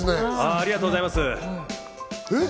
ありがとうございます。